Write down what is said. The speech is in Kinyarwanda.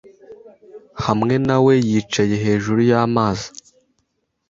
Hamwe na we yicaye hejuru y'amazi